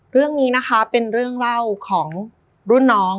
เรื่องนี้นะคะเป็นเรื่องเล่าของรุ่นน้อง